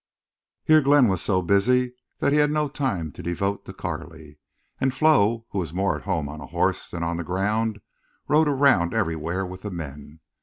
Here Glenn was so busy that he had no time to devote to Carley. And Flo, who was more at home on a horse than on the ground, rode around everywhere with the men.